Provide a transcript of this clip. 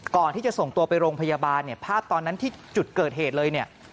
ก่อนที่จะส่งตัวไปโรงพยาบาลเนี่ยภาพตอนนั้นที่จุดเกิดเหตุเลยเนี่ย